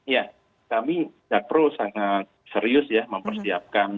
ya kami jakpro sangat serius ya mempersiapkan